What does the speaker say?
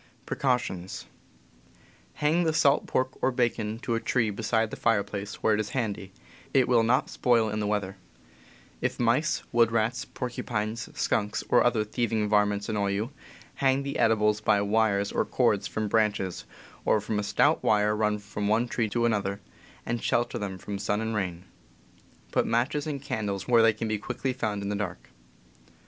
Hang the salt pork or bacon to a tree beside the fire place, where it is handy; it will not spoil in the weather. p . If mice, wood rats, porcupines, skunks, or other thieving varmints annoy you, hang the edibles by wires or cords from branches, or from a stout wire run from one tree to another, and shelter them from sun and rain. Put matches and candles where they can quickly be found in the dark.